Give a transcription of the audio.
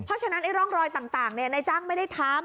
เพราะฉะนั้นร่องรอยต่างนายจ้างไม่ได้ทำ